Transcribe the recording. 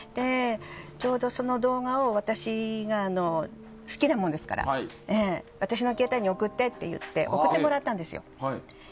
ちょうど、その動画を私が好きなもんですから私の携帯に送ってもらったんですよ。